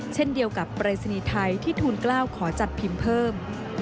เช่นเดียวกับปรายศนีย์ไทยที่ทูลกล้าวขอจัดพิมพ์เพิ่ม